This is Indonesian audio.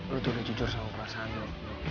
lu tuh jujur sama perasaan lu